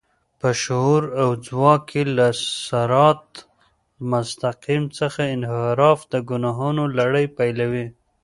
په شعور او ځواک کې له صراط المستقيم څخه انحراف د ګناهونو لړۍ پيلوي.